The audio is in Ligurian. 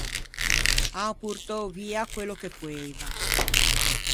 An portou via quello che poeivan.